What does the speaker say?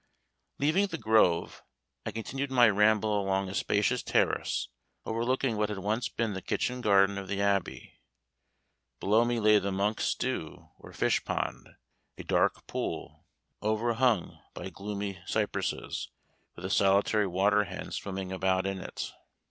Leaving the grove, I continued my ramble along a spacious terrace, overlooking what had once been the kitchen garden of the Abbey. Below me lay the monks' stew, or fish pond, a dark pool, overhung by gloomy cypresses, with a solitary water hen swimming about in it.